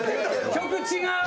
曲違う！